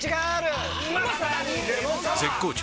絶好調！！